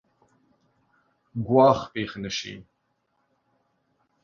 ګواښ پېښ نه شي.